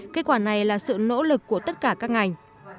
kết quả này là sự nỗ lực của tất cả các ngành